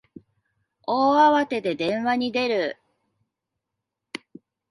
大慌てで電話に出る